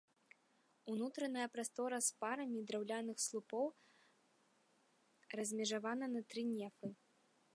Унутраная прастора з парамі драўляных слупоў размежавана на тры нефы.